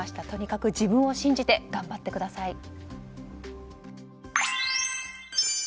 とにかく自分を信じて頑張ってください。